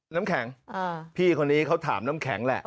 น้ำแข็งพี่คนนี้เขาถามน้ำแข็งแหละ